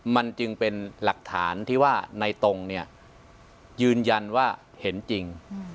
มันจึงเป็นหลักฐานที่ว่าในตรงเนี่ยยืนยันว่าเห็นจริง